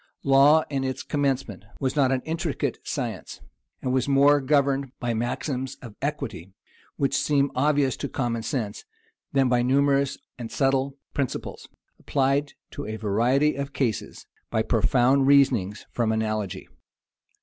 Law, in its commencement, was not an intricate science, and was more governed by maxims of equity, which seem obvious to common sense, than by numerous and subtile principles, applied to a variety of cases by profound reasonings from analogy.